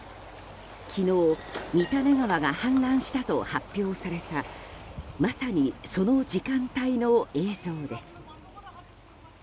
昨日、三種川が氾濫したと発表されたまさに、その時間帯の映像です。